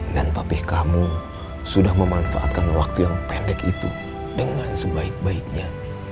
dan papih kamu sudah memanfaatkan waktu yang pendek itu dengan sebaik baiknya